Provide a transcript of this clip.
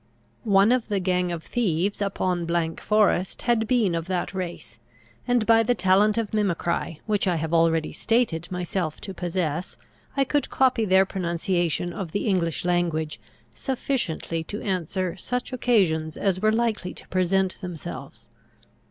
One of the gang of thieves upon forest, had been of that race; and by the talent of mimicry, which I have already stated myself to possess, I could copy their pronunciation of the English language, sufficiently to answer such occasions as were likely to present themselves.